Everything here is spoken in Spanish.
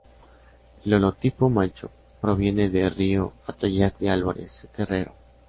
El holotipo macho proviene de Río Atoyac de Álvarez, Guerrero.